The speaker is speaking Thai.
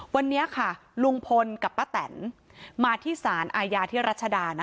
วันเนี้ยค่ะลุงพลกับป๊าแตนมาที่สารอายาทิรัชดานะคะ